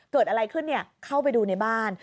เกิดอะไรขึ้นเข้าไปดูในบ้าน